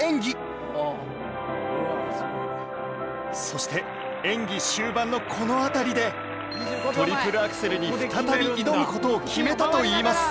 そして演技終盤のこの辺りでトリプルアクセルに再び挑む事を決めたといいます